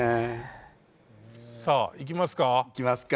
さあいきますか。